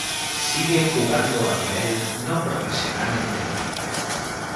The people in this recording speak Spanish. Sigue jugando a nivel no profesional en Tenerife.